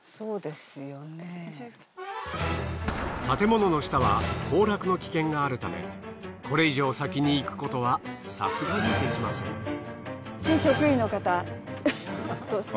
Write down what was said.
建物の下は崩落の危険があるためこれ以上先に行くことはさすがにできません。